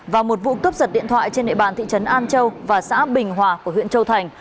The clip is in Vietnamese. và một vụ cướp giật điện thoại trên địa bàn thị trấn an châu và xã bình hòa của huyện châu thành